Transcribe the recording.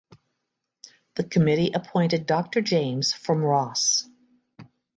The Committee appointed Dr James from Ross.